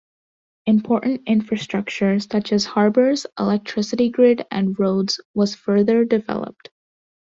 Important infrastructure such as harbours, electricity grid and roads was further developed.